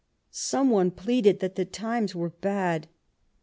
Some one pleaded that the times were bad.